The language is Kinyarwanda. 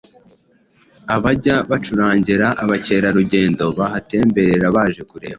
abajya bacurangira abakerarugendo bahatemberera baje kureba